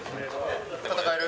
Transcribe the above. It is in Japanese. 戦える？